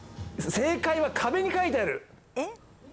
正解は壁に書いてある。